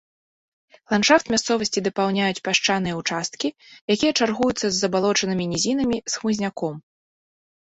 Ландшафт мясцовасці дапаўняюць пясчаныя ўчасткі, якія чаргуюцца з забалочанымі нізінамі з хмызняком.